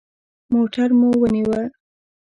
موټر مو ونیوه.